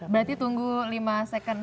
berarti tunggu lima second